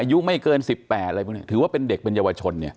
อายุไม่เกิน๑๘อะไรพวกนี้ถือว่าเป็นเด็กเป็นเยาวชนเนี่ย